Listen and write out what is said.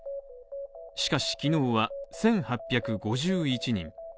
しかし昨日は１８５１人。